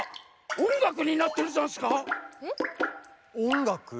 おんがく？